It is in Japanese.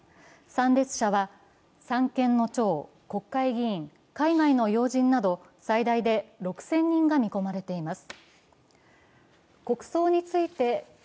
参列者は三権の長、国会議員、海外の要人など最大で６０００人が見込まれています。